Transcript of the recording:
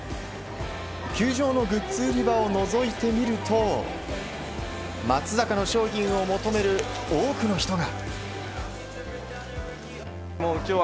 球場のグッズ売り場をのぞいてみると松坂の商品を求める多くの人が。